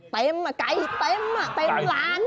เต็มไก่เต็มเป็นล้าน